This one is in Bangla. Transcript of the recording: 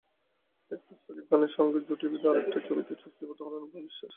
এরপর শাকিব খানের সঙ্গে জুটি বেঁধে আরেকটি ছবিতে চুক্তিবদ্ধ হলেন অপু বিশ্বাস।